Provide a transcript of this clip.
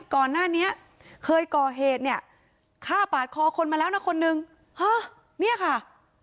ก่อนหน้านี้เคยก่อเหตุเนี่ยฆ่าปาดคอคนมาแล้วนะคนนึงฮะเนี่ยค่ะ